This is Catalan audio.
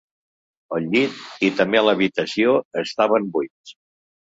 El llit, i també l"habitació, estaven buits.